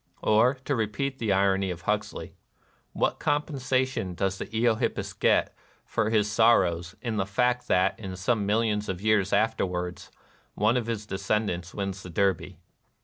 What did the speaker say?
Or, to repeat the irony of Huxley, "what compensation does the Eohippus get for his sorrows in the fact that, some millions of years afterwards, one of his descendants wins the Derby